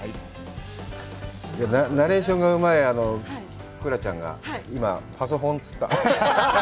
ナレーションがうまい蔵ちゃんが、今、パソコンって言った。